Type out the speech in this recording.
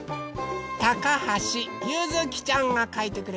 たかはしゆづきちゃんがかいてくれました。